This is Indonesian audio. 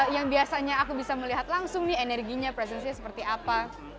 yang biasanya aku bisa melihat langsung nih energinya presence nya seperti apa